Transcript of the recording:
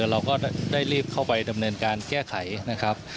เราก็ได้รีบเข้าไปดำเนินการแก้ไขนะครับ